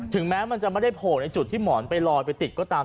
แม้มันจะไม่ได้โผล่ในจุดที่หมอนไปลอยไปติดก็ตาม